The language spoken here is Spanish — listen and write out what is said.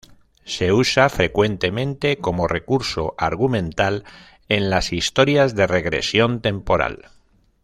Se usa frecuentemente como recurso argumental en las historias de regresión temporal.